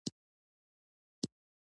د انګور ګل د زړه لپاره وکاروئ